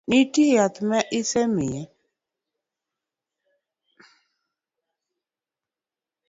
Nitie yath ma isemiye?